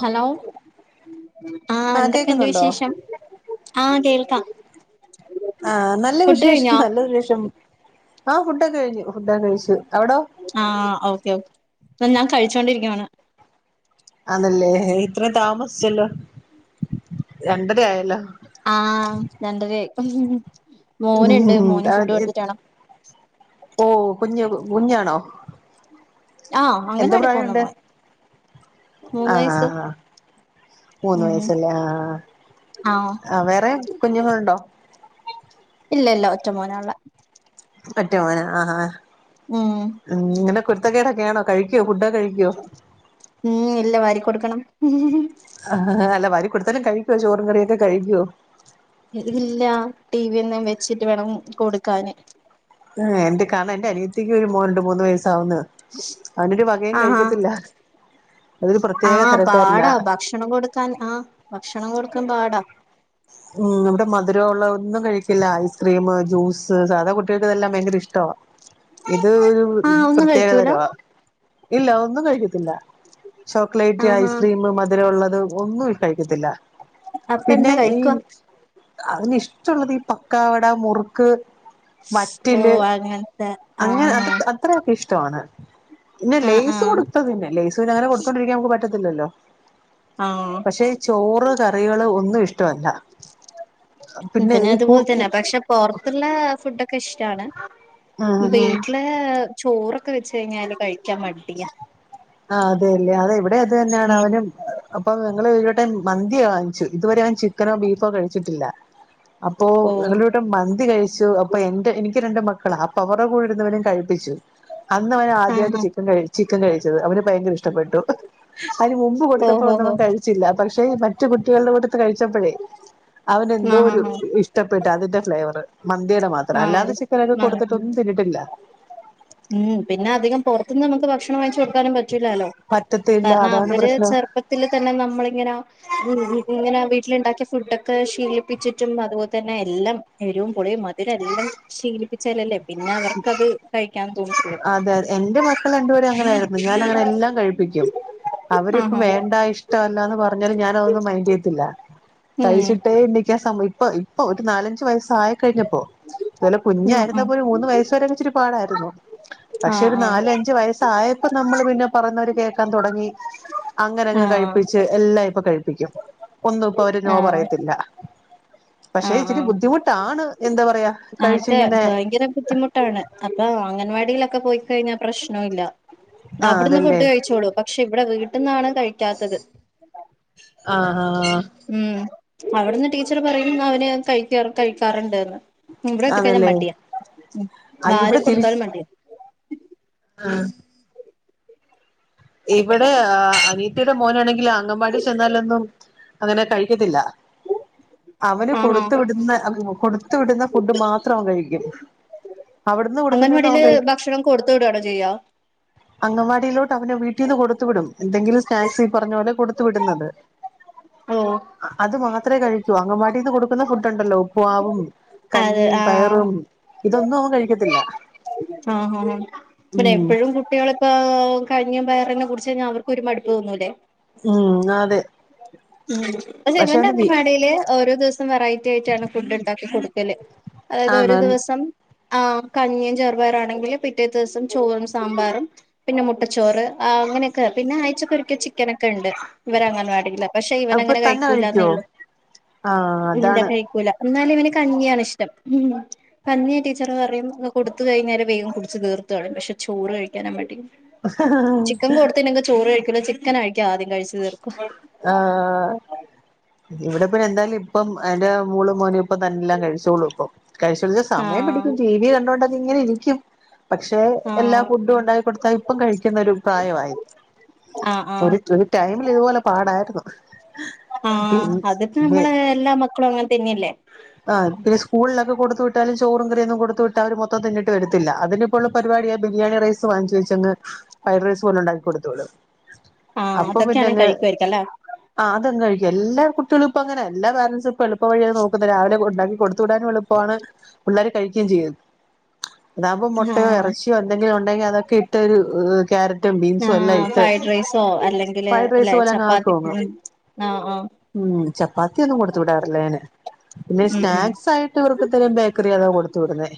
Hello ആഹ് ആ എന്തൊക്കെയുണ്ട് കേക്കുന്നുണ്ടോ വിശേഷം ആഹ് കേൾക്കാം ആഹ് നല്ല ഫുഡ് വിശേഷം കഴിഞ്ഞോ നല്ല വിശേഷം ആഹ് ഫുഡൊക്കെ കഴിഞ്ഞു ഫുഡ ഒക്ക കഴിച്ചു അവിടോ ആഹ് ഓക്കേ ഓക്കേ ഞാൻ കഴിച്ചോണ്ടിരിക്കുവാണ് അണെല്ലേ ഇത്രയും താമസിച്ചല്ലോ രണ്ടര ആയല്ലോ ആഹ് രണ്ടരയി മോനുണ്ട് ഉം മോന് ഫുഡ് കൊടുത്തിട്ടാണ് ഓ കുഞ്ഞു കുഞ്ഞാണോ ആഹ് അംഗൻവാടി പോന്നമോൻ ആഹ് ആഹ് മൂന്ന് ഉം വയസ്സല്ലേ ആ ആഹ് ആ വേറെ കുഞ്ഞുങ്ങളുണ്ടോ ഇല്ല ഇല്ല ഒറ്റ മോന ഉുള്ള ഒറ്റ മോന ആഹ് ആഹ് ഉം ഉം ഇങ്ങനെ കുരുത്തക്കേടൊക്ക ആണോ കഴിക്കോ ഫുഡ്കെ കഴിക്കോ ഉം ഇല്ല വരി കൊടുക്കണം ആ അല്ല വരി കൊടുത്തലും കഴിക്കുവോ ചോറും കറിയൊക്കെ കഴിക്കുവോ ഇല്ല ടിവിഎന്തേം വെച്ചിട്ട് വേണം കൊടുക്കാന് ഏഹ് എന്ത് കാണാ എന്റെ അനീ ത്തിക്ക് ഒരു രണ്ട് മൂന്ന് വയസാവുന്നെള്ളു അവനൊരു വകയും ആഹാ കഴിക്കത്തില്ല അതൊരു പ്രത്യേക ആഹ് തരക്കാരനാ പാടാ ഭക്ഷണം കൊടുക്കാൻ ആഹ് ഭക്ഷണം കൊടുക്കാൻ പാടാ ഉം ഇവിടെ മധുരമ ഉള്ള ഒന്നും കഴിക്കില്ല ഐസ്ക്രീം ജ്യൂസ് സാധാ കുട്ടികൾക്ക്തെല്ലാം ഭയങ്കര ഇഷ്ടവാ ഇത് ഒരു ആഹ് ഒന്നും പ്രത്യേക കഴിക്കൂല തരവാ ഇല്ല ഒന്നും കഴിക്കത്തില്ല ചോക്ലേറ്റ് ആഹാ ഐസ്ക്രീമ മധുരം ഉള്ളത് ഒന്നും കഴിക്കത്തില്ല അപ്പ എന്നന്താ കഴിക്കുവ അതിനി ഇഷ്ടമുള്ളത് ഈ പ ക്കാവട മുറുക്ക് ഓ വറ്റില് അങ്ങനത്തെ അങ്ങനെ ആഹ് അത് അത്രൊക്കെ ഇഷ്ടമാണ് പിന്നെ ആഹ് ലെയ്സ് ആഹ് കൊടുത്തതിന്നും പിന്നെ ലെസ് പിന്നെ അങ്ങനെ കൊടുത്തോണ്ടിരിക്കാൻ നമുക്ക് പറ്റത്തില്ലല്ലോ ആഹ് പക്ഷെ ചോറ് കറികള് ഒന്നും ഇഷ്ടമല്ല പിന്നെ ഈ കൂർപ്പ പുറത്തുള്ള ഫുഡൊക്കെ ഇഷ്ടാണ് ഉം ഉം വീട്ടില് ഏഹ് ചോറൊക്കെ വെച്ച് കഴിഞ്ഞാല് കഴിക്കാൻ മടിയാ ആ അതെല്ലെ അതെ ഇവിടെ അത് തന്നെയാണ് ഉം അവനും അപ്പൊ ഞങ്ങള് ഒരുരുവട്ടം മന്തിയ വാങ്ങിച്ചു ഇതുവരെ അവൻ ചിക്കനോ ബീഫോ കഴിച്ചിട്ടില്ല അപ്പൊ ഓ ഞങ്ങള് ഇ മന്തി കഴിച്ചു അപ്പൊ എന്റെ എനിക്ക് രണ്ടണ്ട് മക്കളാ അപ്പൊ അവരുടെ കൂടെ ഇരുന്നവരും കഴിപ്പിച്ചു അന്ന് അവന ആഹ് ആദ്യമായിട്ട് ആഹ് ചിക്കൻ ക ചിക്കൻ കഴിച്ചത് അവന് ഭയങ്കര ഇഷ്ടപ്പെട്ടു അതിന് മുമ്പ് ഓ കൊടുത്തപ്പോൾ ഹോ ഒന്നും ഹോ അവൻ കഴിച്ചില്ല പക്ഷേ മറ്റു കുട്ടികളുടെ കൂട്ടത്ത് കഴിച്ചപ്പോഴേ അവനെന്തോ ആഹ് ഒരു ആഹ് ഇഷ്ടപ്പെട്ട് അതിന്റെ ഫ്ലേവറ് മന്തിയുടെ മാത്രം ആഹ് അല്ലാതെ ചിക്കനൊക്കെ ആഹ് കൊടുത്തിട്ടൊന്നും തിന്നിയിട്ടില്ല ഉം പിന്നെ അധികം പുറത്തുനിന്ന് നമുക്ക് ഭക്ഷണം വഴങ്ങിച്ചച്ച് കൊടുക്കാനും പറ്റില്ലാലോ പറ്റത്തില്ല കാരണം അതാണ് അവര് പ്രശ്നം ചെറ റുപ്പത്തിത്തില് തന്നെ നമ്മളി ഇങ്ങനെ ഇങ്ങനെ വീട്ടിലുണ്ടാക്കിയ ഫുഡൊക്കെ ശീലിപ്പിച്ചിട്ടും അതുപോലെ തന്നെ എല്ലാം എരുവും പുളി മധുരെല്ലാം ശീലിപ്പിച്ചാലല്ലേ പിന്നെ അവർക്ക്ത് കഴിക്കാൻ തോന്നി അതെ അതെ എന്റെ മക്കൾ രണ്ടുപേരും അങ്ങനൊയിരുന്നു ഞാൻ അങ്ങനെ എല്ലാം കഴിപ്പിക്കും അവരിപ്പം ആഹാ വേണ്ട ഇഷ് ഇഷ്ടല്ലാന്ന് പറഞ്ഞാല് ഞാന് അതൊന്നും മൈൻഡ് ചെയ്തില്ല ഉം കഴിച്ചിട്ടേ എണിക്കാൻ ഇപ്പൊ അ ഒരു നാലഞ്ചച് വയസ്സായി കഴിഞ്ഞപ്പോ അതു പോലെ ഉം കുഞ്ഞായിരുന്ന ഉം പോല ഒരു മൂന്ന് വയ [unintelligible] ഒരു പാടായിരുന്നു പക്ഷെ ആഹ് ഒരു ആഹ് നാലഞ്ച് വയസ്സായപ്പോ നമ്മള് പിന്നെ പറന്നവര് കേക്കാൻ തുടങ്ങി അങ്ങനെങ്ങ് ആഹ് കഴിപ്പിച്ച് എല്ലാം ഇപ്പൊ കഴിപ്പിക്കും ഒന്നും ഇപ്പൊ അവര് നോ ആഹ് പറയത്തില്ല പക്ഷെ ആഹ് ഇച്ചിരി ആഹ് ബുദ്ധിമുട്ടാണ് എന്താ പറയാ കഴിച്ച് ഇങ്ങനെ ഭയങ്കരം ബുദ്ധിമു ട്ടാണ് അപ്പൊ അംഗൻവാടിയിലൊക്കെ പോയി കഴിഞ്ഞാൽ പ്രശ്നവും ഇല്ല ആ അവിടന്ന് അതല്ലേ ഫുഡ് കഴിച്ചോളൂ പക്ഷെ ഇവിടെ വീട്ടന്നാണ് കഴിക്കാത്തത് ആഹ് ആഹ് ഉം അവിടുന്ന് ടീച്ചർ പറയും അവന് കഴിക്ക കഴിക്കാറുണ്ട്ന്ന് ഇവിടെ എത്തി. കഴിഞ്ഞാൻ അതല്ലേ മടിയാ ഉം ആ വാരി കൊടുത്താലും മണ്ടിയാ ആഹ് ഇവിടെ അനീത്തിയുടെ മോനാണെങ്കിൽ അങ്കവാടി ചെന്നാലൊന്നും അങ്ങനെ കഴിക്കത്തില്ല അവന് ആഹ് ആഹ് കൊടുത്ത വിടുന്ന കൊടു ത്ത് വിടുന്ന ഫുഡ് മാത്രം അവൻ കഴിക്കും അവിടുന്ന് അങ്ങന കൊടുക്കുന്നൊന്നും വടയില് ഭക്ഷണം കൊടുത്ത് വിടണോ ചെയ്യാ അങ്ങവാടിയിലോട്ട് അവന് വീട്ടിൽ നിന്ന് കൊടുത്തു. വിടും എന്തെങ്കിലും സ്നാക്സ് ഈ പറഞ്ഞ പോലെ കൊടു കൊടുത്ത് വിടുന്നത് ഓഹ് അത് മാത്ര കഴി അങ്ങവാട്ടീന്ന് കൊടുക്കുന്ന ഫുഡ് ഉണ്ടല്ലോ ഉപ്പുമാവും അതെ കഞ്ഞിയും ആഹ് പയറും ഇതൊന്നും അവൻ കഴിക്കത്തില്ല ആഹ് ആഹ് പിനെ ഉം എപ്പോഴും കു കുട്ടികളിപ്പ കഞ്ഞി പയറെന്നെ കുടിച്ച് കഴിഞ്ഞൽ അവർക്ക് പിനെ ഒരു മടുപ്പ് തോന്നൂല്ലേ ഉം അതെ ഉം [unintelligible] പക്ഷെ അവന്റ അവന് വി അഗൻവാടീല് ഓരോ ദിവസ് വെറൈറ്റി ആയിട്ടാണ് ഫുഡ് ഇണ്ടാക്കി കൊടുക്കല്. അതായത് ഒരു ആണോ ദിവസം ആഹ് കഞ്ഞിയും ചെറുപയറാണെങ്കില് പിറ്റേ ദിവസം ചോറും സാമ്പാറും പിന്നെ മുട്ടച്ചോറ് അ അങ്ങനെയൊക്കെ പിന്നെ ആഴ്ച്ചൊക്കെ ഒരിക്കൽ ചിക്കനക്കെ ഇണ്ട് ഇവരെ അങ്ങൻവാടീല് പക്ഷെ അപ്പൊ ഇവനങ്ങനെ തന്നെ കഴിക്കൂലന്നേ കഴിക്കുവോ ഒള്ളു ആഹ് ഇല്ല അതാണ് കഴിക്കൂല എന്നാലിവന് കഞ്ഞിയാണ് ഇഷ്ടം ഉം കഞ്ഞിയെ ടീച്ചർ പറയും കൊടുത്തു കയിഞ്ഞാലെ വേഗം കുടിച്ച് തീർത്തു കളീം പക്ഷെ ചോറ് കഴിക്കാനാ മടി ചിക്കൻ കൊടുത്തിന്നെങ്ക ചോറ് കഴിക്കല്ലോ ചിക്കൻ കഴിക്ക ആദ്യം കഴിച്ച തീർക്കുക ആഹ് ഇവടെ പ്പൊ രണ്ടാളീം ഇപ്പം എന്റെ മോളും മോനും ഇപ്പ നല്ലോം കഴിച്ചോളൂപ്പം [unintelligible] സമയം ആഹ് പിടിക്കും ടിവി കണ്ടോണ്ട ഇങ്ങനെ ഇരിക്കും പക്ഷെ എല്ലാ ആഹ് ഫുഡും ഉണ്ടാക്കി കൊടുത്താൽ ഇപ്പം കഴിക്കുന്ന ഒരു പ്രായവാ ഇത് ആഹ് സോറി ആഹ് ടൈമിൽഇതുപോലെ പാടായിരുന്നു പി ആഹ് അതിപ്പോ പി നമ്മള് എല്ലാ മക്കളും അങ്ങനെ തന്നെയല്ലേ ആന്റ് സ്കൂള്ലൊക്കെ കൊടുത്തു വിട്ടാലും ചോറും കറിയൊന്നും കൊടു വിട്ടാൽ അവര് മൊത്തം തിന്നിട്ട് വരത്തില്ല അതില് ഇപ്പോള്ള പരിപാടിയ ബിരിയാണി റൈസ് വാങ്ങിച്ച് വെച്ചങ് ഫ്രൈഡ് റൈസ് പോലെ ഉണ്ടാക്കി കൊടുത്തുവിടും. ആഹ് അതൊക്കെയാണ് കഴിക്കായയിരിക്കും അല്ലേ ആഹ് അത് കഴിക്കും എല്ലാ കുട്ടിയാളും ഇപ്പ അങ്ങന എല്ലാ പാരൻസും ഇപ്പോ എളുപ്പഴിയാണ് നോക്കുന്നത് രാവിലെ ഉണ്ടാക്കി കൊടു തുടാനും എളുപ്പമാണ് പിള്ളേർ കഴിക്കുകയും ചെയ്യും. അതാവുമ്പോം മുട്ടേ ആഹ് ഇറച്ച് എന്തെങ്കിലും ഉണ്ടെങ്കി അതൊക്കെ ഇട്ടൊരു കാര ആഹ് ഫ്രൈഡ് റൈസോ അല്ലെങ്കില് ഫ്രൈഡ് റൈസ് അല്ലെ പോലെങ്ങ് ആക്കുവങ്ങ് ചപ്പാത്തിക്കും ആഹ് ആഹ് ഉം ചപ്പാത്തിയൊന്നും കൊടുത്തുവിടാറില്ല ഞാന് പിന്നെ ഉം ഉം സ്നാക്സ് സായിട്ട് അവർക്കിത്തിരി ബേക്കറി അതാ കൊടുത്തു വിടുന്നേ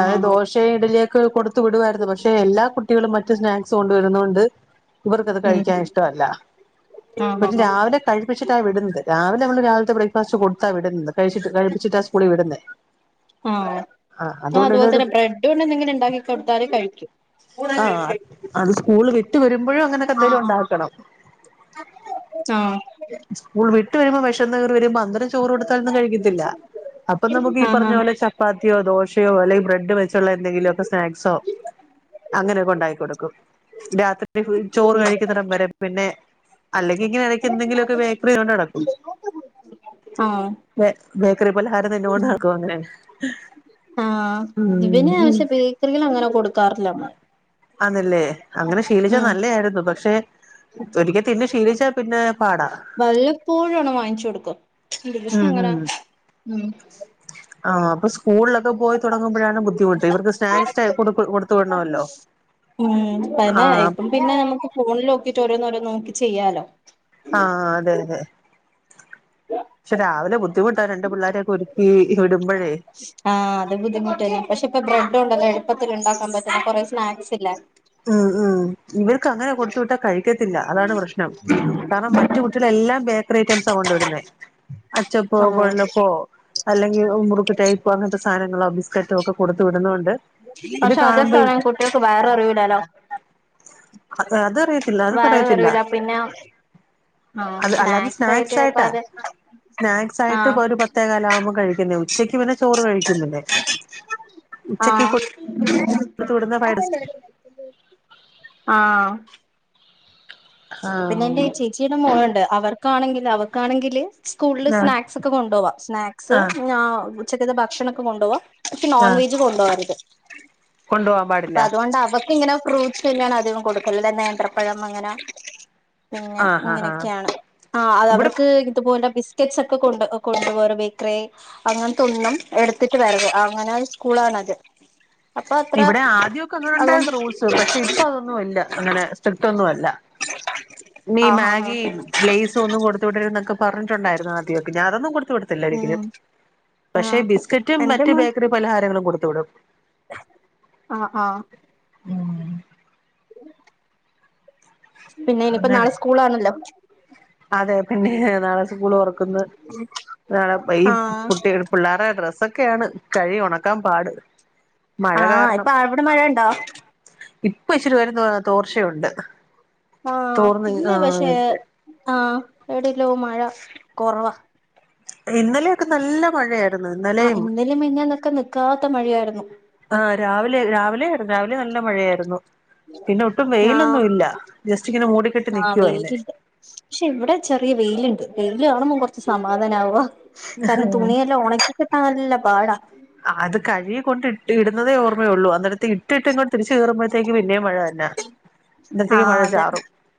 ആ ദോ ആഹ് പക്ഷേ ഇഡ്ലിയൊക്കെ കൊടുത്തു വിടുമായിരുന്നു പക്ഷെ എല്ലാ കുട്ടികളും മറ്റു സ്നാക്സ് കൊണ്ടുവരുന്നൊണ്ട് ഇവർക്കത് ഉം കഴിക്കാൻ ഇഷ്ടവല്ല ആഹ് [unintelligible] ആഹ് രാവിലെ കഴിപ്പിച്ചിട്ടാണ് വിടുന്നത്. രാവിലെ നമ്മ രാവിൽത്തെ ബ്രേക്ക്ഫാസ്റ്റ് കൊടുത്താ വിടുന്നത് കഴിച്ചിട്ട് കഴപ്പിച്ചിട്ട് സ്കൂളിൽ വിടുന്നേ ആഹ് ആ ആഹ് അതുകൊണ്ട് അതുപോലെ ഒരു തന്നെ ബ്രെഡ് കൊണ്ട് എന്തെങ്കിലും ഇണ്ടാക്കി കൊടുത്താല് കഴിക്കും ആ അത് സ്കൂള് വിട്ട് വരുമ്പോഴും അങ്ങനൊക്കെന്തെങ്കിലും ഉണ്ടാക്കണം. ആഹ് ആഹ് സ്കൂൾ വിട്ട് വരുമ്പോ വെഷന്ന് കേറി വരുമ്പോ അന്നേരംചോറ് കൊടുത്താലൊന്നും കഴിക്കത്തില്ല. അപ്പൊ നമുക്ക് ഈ ആഹ് പറഞ്ഞ ആഹ് പോലെ ചപ്പാത്തിയോ ദോശയോ അല്ലെങ്കി ബ്രെഡ് വെച്ചുള്ള എന്തെങ്കിലൊക്കെ സ്നാക്സോ. അങ്ങനൊക്കെ ഉണ്ടാക്കി കൊടുക്കും. രാത്രി ചോറ് ഉം കഴിക്കുന്നിടം വരെ പിന്നെ അല്ലെങ്കി ഇങ്ങനെടക്ക് എന്തെങ്കിലൊക്കെ ബേക്കറി കൊണ്ട് നടക്കൂം. ആഹ് ബെ ബേക്കറി പലഹാരം തിന്നോണ്ട് നടക്കും അങ്ങനേണ്. ആഹ് ഇവന്ക്ഷേ ബേക്കറി കള് അങ്ങനെ കൊടുക്കാറില്ല മ്മള്. ആണ്ല്ലേ അങ്ങനെ ശീലിച്ചാ ഉം നല്ലായിര്ന്നു. പ ക്ഷെ ഒരിക്കതിന്ന് ശീലിച്ചാ പിന്നെ പാടാ. വല്ലപ്പോഴും ആണ് വാങ്ങിച്ചൊട്ക്ക ദിവസം ങ്ങനെ ഉം. ആഹ് അപ്പൊ സ്കൂളിലൊക്കെ പോയി തുടങ്ങുമ്പോഴാണ് ബുദ്ധിമുട്ട് ഇവർക്ക് സ്നാക്സ് ടൈ കൊടുത്ത് കൊടുത്തു വിടണമല്ലോ. ഉം ആ അതന്നെ ഇപ്പം പിന്നെ നമ്മക്ക് ഫോണില് നോക്കിട്ട് ഓരോന്നോരോനോക്കി ചെയ്യാലോ. ആഹ് അതെ അതെ. പക്ഷെ രാവിലെ ബുദ്ധിമുട്ടാണ് രണ്ട് പിള്ളാരെയൊക്കെ ഒരുക്കി വിടുമ്പഴേ. ആഹ് അത് ബുദ്ധിമുട്ട്ന്നെ പക്ഷെ ഇപ്പൊ ബ്രെഡോണ്ടൊക്കെ എളുപ്പത്തില്ണ്ടാക്കാൻ പറ്റ്ന്ന കൊറെേ സ്നാക്സ് ഇല്ലേ. ആഹ് ആഹ് ഇവർക്ക് അങ്ങനെ കൊടുത്തു വിട്ടാ കഴിക്കത്തില്ല അതാണ് പ്രശ്നം. കാരണം മറ്റ് കുട്ടികള് എല്ലാം ബേക്കറി ഐറ്റംസാ കൊണ്ടുവരുന്നെ അച്ചപ്പോ, ഉം കൊഴലപ്പോ. അല്ലെങ്കി മുറുക്ക് ടൈപ്പ് അങ്ങൻത്തെ സാധനങ്ങളോ ബിസ്ക്കറ്റോ ഒക്കെ കൊടുത്ത് വിടുന്നോണ്ട്. ഇത് പക്ഷെ കാണുമ്പോ അതൊക്കെയാകുട്ട്യാൾക്ക് വയറാറിയൂലേലോ. അതറിയത്തില്ല വയറ് അതറിയത്തില്ല നിറയൂല പിന്ന ആഹ് അത് സ്നാക്സായിട്ട് ഇപ്പതെ സ്നാക്സായിട്ട് ഒരു പത്തേ കാലാകുമ്പോ കഴിക്കുന്നേ ഉച്ചയ്ക്ക് പിന്നെ ചോറ് കഴിക്കും പിന്നെ. ഉച്ചക്ക് ആഹ് കു ആഹ് പിന്നെ എന്റീ ചേച്ചിടെ മോളുണ്ട് അവർക്കാണെങ്കില് അവൾക്കാണെങ്കില്. സ്കൂളില് ആഹ് സ്നാക്സൊക്കെ കൊണ്ടാവാം സ്നാക്സ് ആഹ് ഞാ ഉച്ചക്കത്തെ ഭക്ഷണൊക്കെ കൊണ്ടോവാം ക് നോൺ ആഹ് വെജ് കൊണ്ടോവാറ്ത് കൊണ്ടു പോവാൻ അപ്പൊ പാടില്ല അത്കൊണ്ട് അവ ഇങ്ങനെ ഫ്രൂട്ട്സ്ന്നേണ് അധികം കൊടുക്കല് ലേ നേന്ത്രപ്പഴം അങ്ങനെ. പിന്നെ ആഹ് ആഹ് ആഹ് ഇങ്ങനക്യാണ് ആ അത് ഇവിടെ അവർക്ക് ഇതുപോലെ ബിസ് റ്റ്സ് ഒക്കെ കൊണ്ട് കൊണ്ടോവാറ് ബേക്കറി അങ്ങൻതൊന്നും എടുത്തിട്ട് വരത് അങ്ങനൊരു സ്കൂളാണത്. അപ്പൊ അത്ര ഇവിടെ ആദ്യൊക്കെ അങ്ങനെ അതുകൊണ്ട് ഉണ്ടായിര്ന്നു റൂൾസ്. പഷെ ഇപ്പൊ അതൊന്നും ഇല്ല അങ്ങനെ സ്ട്രിക്ട് ഒന്നു അല്ല. ഈ ആ ആ ആ മാഗി ലെയ്സ് ഒന്നും കൊടുത്ത് വിടര്ത് ന്നൊക്കെ പറഞ്ഞിട്ടുണ്ടായിരുന്നു ആദ്യൊക്ക ഞാനതൊന്നും കൊടുത്ത് വിടത്തില്ലൊരിക്കലും. ഉം ആ പക്ഷെ ബിസ്ക്കറ്റും എന്റെ മറ്റും ബേക്കറിം പലഹാരങ്ങളും കൊടുത്തുവിടും. ആഹ് ആഹ്. ഉം പിന്നെ ഇനിപ്പ അങ്ങനെ നാളെ സ്കൂളാണല്ലോ. അതെ പിന്നേ നാളെ സ്കൂളൊറക്കുന്ന്. നാളെപയ് കുട്ട്യൾക്കു പിള്ളേരെ ഡ്രെസ്സൊക്കെയാണ് കഴികി ഉണക്കാൻ പാട്. മഴ ആഹ് കാരണം ഇപ്പൊ അവിടെ മഴ ഉണ്ടോ? ഇപ്പൊ ഇച്ചിരി നേരംതോ തോർച്ചയുണ്ട്. ആഹ് തോർന്ന് ഇന്ന് പക്ഷേ ആഹ് ആഹ് ഏടെല്ലാം മഴ കൊറവാ. ഇന്നലെയൊക്കെ നല്ല ആഹ് ഇന്നലെയും ഇന്നലെം മിന്ഞ്ഞാന്നൊക്കെ നിക്കാത്ത മഴയായിരുന്നു. ആഹ് രാവിലെ രാവിലെര്ന്ന് രാവിലെ നല്ല മഴയായിരുന്നു. പിന്നെ ഒട്ടും ആഹ് വെയിലൊന്നുല്ല ജസ്റ്റ് ഇങ്ങനെ മൂടിക്കെട്ടി ആഹ് നിക്കുവയിന്നെ വെയിലില്ല പക്ഷെ ഇവിടെ ചെറിയ വെയില്ണ്ട് വെയില് കാണുമ്പം കൊറച്ച് സമാധാനാവാ കാരണം തുണിയെല്ലാ ഒണക്കി കിട്ടാൻ നല്ല പാടാ ആഹ് അത് കഴുകി കൊണ്ട് ഇട്ട് ഇടുന്നതേ ഓർമയൊള്ളു അന്നിടത്തെ ഇട്ടിട്ട് ഇങ്ങോട്ട് തിരിച്ച് കേറുമ്പോഴത്തേക്ക് പിന്നേം മഴ തന്നാ ആഹ് അതെ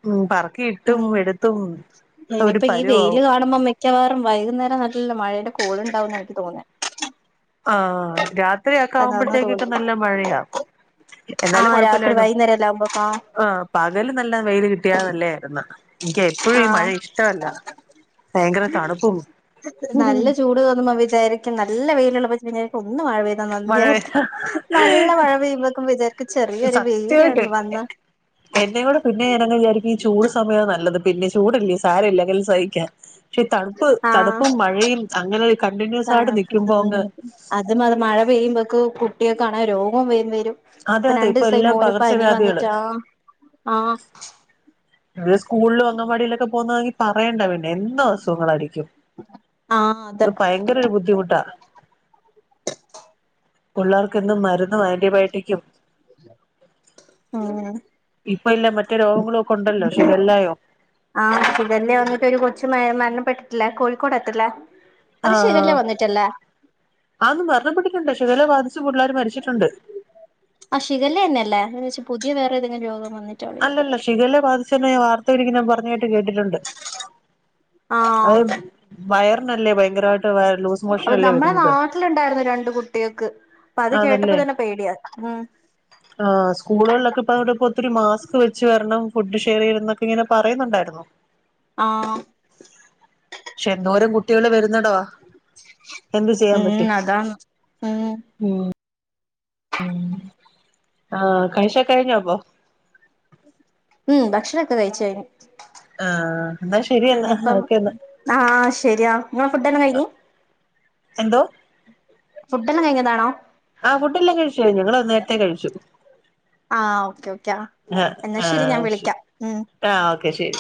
ഉം പറക്കി ഉം ഇനിപ്പ ഈ വെയില് പരുവാവും കാണുമ്പോ മേ മിക്കവാറും വൈകുന്നേരം നല്ല മഴയുടെ കോളുണ്ടാവുംന്ന് എനിക്ക് തോന്ന്ന്നെ ആഹ് രാത്രിയാക്കെ അതാന്നാ ആവുമ്പോഴത്തേക്കൊക്കെ തോന്നുന്നേ നല്ല മഴയാ എന്നാലും ആഹ് രാത്രി കൊഴപ്പില്ലായിരുന്നു വൈകുന്നേരല്ലാം ആകുമ്പോ ആഹ് പകല് നല്ല വെയിൽ കിട്ടിയാ നല്ലേ ആയിരുന്നു എനിക്ക് എപ്പോഴും ഈ മഴ ആഹ് ഇഷ്ടല്ല നല്ല ചൂട് തോന്നുമ്പോ വിചാരിക്കും നല്ല വെയിലുള്ളപ്പച്ചാ ഒന്ന് മഴ പെയ്താ മഴ നന്ദിയായിരുന്നു നല്ല മഴ പെയ്യുമ്പോക്കും വിചാരിക്കും ചെറിയൊരു വെയിര് വന്ന എന്നെയും കൂടെ പിന്നെ ഞാനങ്ങ് വിചാരിക്കും ഈ ചൂട് സമയം നല്ലത് പിന്നെ ചൂടല്ലേ സാര ഇല്ല ഇല്ലെങ്കിലും സഹിക്കാം പക്ഷെ തണുപ്പ് ആഹ് തണുപ്പും മഴയും അങ്ങനെ കണ്ടിന്യൂസായിട്ട് നിക്കുമ്പോ അങ്ങ് അതു മത് മഴ പെയ്യുമ്പക്ക് കുട്ട്യോക്ക് ആണെ രോഗോം വരും അതെ ഇപ്പൊ അതെ രണ്ടൂസായി എല്ലാം മോന് പനി പകർച്ചവ്യാധികള് വന്നിട്ടാ ആഹ് ആഹ് ത് സ്കൂളില് അങ്കവാടിയിലൊക്കെ പോകുന്നോങ്കി പറയണ്ട പിന്നെ എന്നും അസുഖങ്ങളായിരിക്കും ആഹ് അതെ അത് പയങ്കരോരു ബുദ്ധിമുട്ടാ പിള്ളേർക്കെന്നും മരുന്നും ആന്റിബയോട്ടിക്കും ആഹ് ഇപ്പ ഇല്ല മറ്റേ രോഗങ്ങളൊക്കൊ ണ്ടല്ലോ ശിഖല്ലായോ ആഹ് ശിഖല്ല വന്നിട്ട് ഒരു കൊച്ച് മേ മരണപ്പെട്ടിട്ടില്ലേ കോഴികോടെട്ടല്ലേ ആഹ് ആന്ന് മരണപ്പെട്ടിട്ട്ണ്ട് ഷിഗല്ല ബാധിച്ചു പുള്ളേര് മരിച്ചിട്ടുണ്ട് ആഹ് ശിഗലന്നല്ലേ ഞാൻ വേച്ചു പുതിയ വേറെ ഏതെങ്കും രോഗം വന്നിട്ടോ അല്ല ല്ല ഷിഖല്ല യെ ബാധിച്ചു ഞാൻ വാർത്ത ഒരിക്കെ ഞാൻ പറഞ്ഞതായിട്ട് കേട്ടിട്ടുണ്ട് അത് ആഹ് വയറിനല്ലേ ഭയങ്കരമായിട്ട് ലൂസ് അപ്പൊ മോഷനല്ലേ നമ്മുടെ വരുന്നത് നാട്ടിലുണ്ടായിരുന്നു രണ്ട് കു കുട്ടികക്ക് അപ്പ ത് കേട്ടപ്പോ തന്നെ പേടിയാ ഉം ആഹ് സ്കൂളുകളിലൊക്കെ ഇപ്പ അതോടെ ഒത്തിരി മാസ്ക് വെച്ച് വരണം ഫുഡ് ഷെയർ ചെയ്യരുത് എന്നൊക്കെ ഇങ്ങനെ പറയുന്നുണ്ടായിരുന്നു ആഹ് പക്ഷെ എന്നോരം കുട്ടികള് വരുന്നടോ എന്ത് ചെയ്യാൻ പറ്റും ഉം അതാണ് ഉം ഉം ആഹ് കൈശോ കയ്ഞ്ഞോപ്പോ ഉം ഭക്ഷണൊക്കെ കഴിച്ചു കയ്ഞ്ഞു ആ എന്നാ ശരി എന്നാ അയ്നിപ്പം ഓക്കെ എന്നാ ആഹ് ശരിയാ ഇങ്ങള് ഫുഡ്ടൊക്കെ കഴികു എന്തോ ഫുഡ് എല്ലാം കഴിഞ്ഞതാണോ ആഹ് ഫുഡ്ഡല്ലാം കഴിചയ്ഞ്ഞു ങ്ങള് നേരത്തെ കഴിച്ചു ആഹ് ഓക്കേ ഓക്കെ എന്നാ ശരി ഞാൻ വിളിക്കാം ഉം ആഹ് ഓക്കെ ശരി